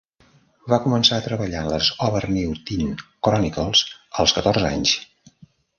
Va començar a treballar en les Obernewtyn Chronicles als catorze anys.